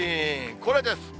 これです。